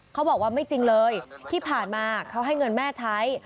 เขาบอกว่าไม่จริงเลยที่ผ่านมาเขาให้เงินแม่ใช้